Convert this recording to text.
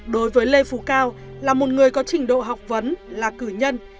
đối với lê phú cao là một người có trình độ học vấn là cử nhân